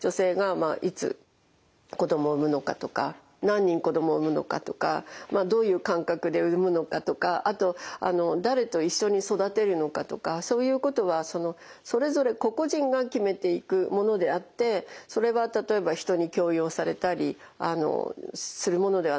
女性がいつ子供を産むのかとか何人子供を産むのかとかどういう間隔で産むのかとかあと誰と一緒に育てるのかとかそういうことはそれぞれ個々人が決めていくものであってそれは例えば人に強要されたりするものではない。